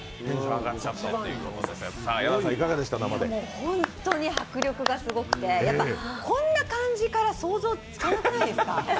本当に迫力がすごくてこんな感じから想像つかなくないですか？